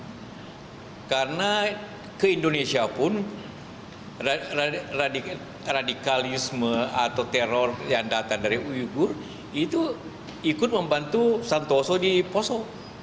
karena ke indonesia pun radikalisme atau teror yang datang dari uyugur itu ikut membantu santoso di poso